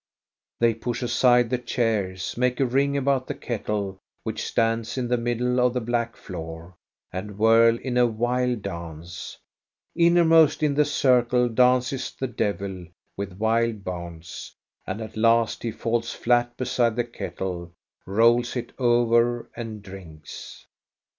They push aside the chairs, make a ring about the kettle, which stands in the middle of the black floor, and whirl in a wild dance. Innermost in the circle dances the devil, with wild bounds; and at last he falls flat beside the kettle, rolls it over, and drinks.